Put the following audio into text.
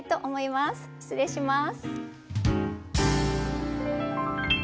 失礼します。